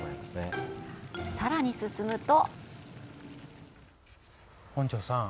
さらに進むと。